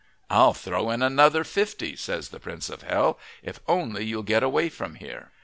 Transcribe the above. "I'll throw in another fifty," says the Prince of Hell, "if only you'll get away from here."